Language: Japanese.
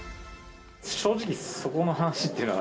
正直、そこの話っていうのは。